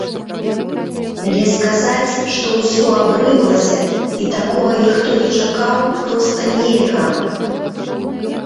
Але сказаць, што ўсё абрынулася і такога ніхто не чакаў, проста нельга.